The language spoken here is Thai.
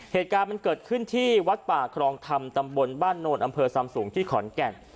เหตุการณ์มันเกิดขึ้นที่วัดป่าครองธรรมตำบลบ้านโนนอำเภอซำสูงที่ขอนแก่น